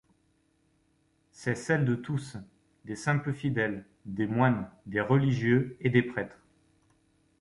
C'est celle de tous, des simples fidèles, des moines, des religieux, et des prêtres.